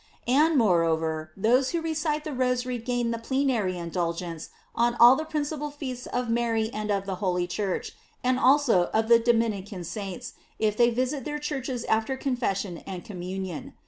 And, moreover, those who recite the Rosary gain the plenary indulgence on all the principal feasts of Mary and of the holy Church, and also of the Dominican Saints, if they visit their churches after confession and communion.